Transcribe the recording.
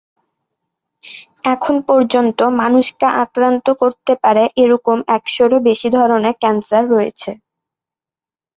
এখন পর্যন্ত মানুষকে আক্রান্ত করতে পারে এরকম একশ’রও বেশি ধরনের ক্যান্সার রয়েছে।